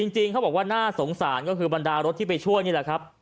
จริงเขาบอกว่าน่าสงสารก็คือบรรดารถที่ไปช่วยนี่แหละครับ